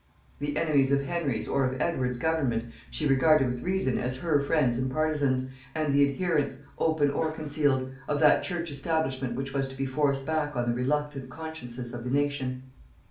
The enemies of Henry's or of Edward's government she regarded with reason as her friends and partisans, and the adherents, open or concealed, of that church establishment which was to be forced back on the reluctant consciences of the nation.